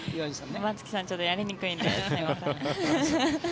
松木さんちょっとやりにくいんで。